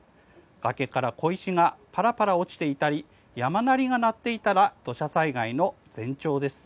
崖から小石がパラパラ落ちていたり山鳴りが鳴っていたら土砂災害の前兆です。